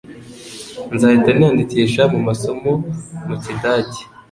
Nzahita niyandikisha mu masomo mu kidage.